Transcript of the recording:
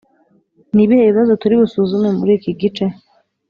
Ni ibihe bibazo turi busuzume muri iki gice